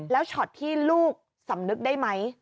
แล้วช็อตที่ลูกสำนึกได้ไหม